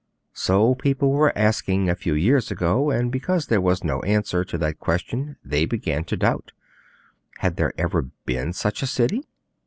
So people were asking a few years ago, and because there was no answer to that question they began to doubt. Had there ever been such a city?